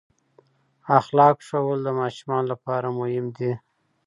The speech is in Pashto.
اخلاق ښوول د ماشومانو لپاره مهم دي.